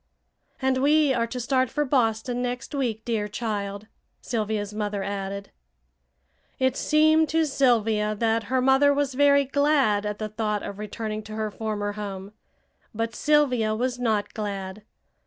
"And we are to start for Boston next week, dear child," Sylvia's mother added. It seemed to Sylvia that her mother was very glad at the thought of returning to her former home. But Sylvia was not glad.